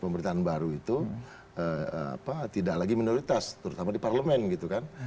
pemerintahan baru itu tidak lagi minoritas terutama di parlemen gitu kan